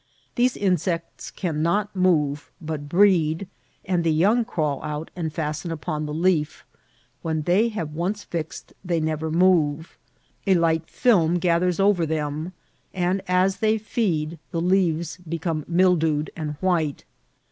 These insects cannot move, but breed, and the yoimg crawl out and fastea upon the leaf; when they have once fixed they never move ; a light film gathers over them, and as they feed the leaves become mildewed and white.